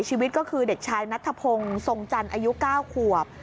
ชีวิตก็คือเด็กชายนัทพงศ์ทรงจันทร์อายุ๙ขวบ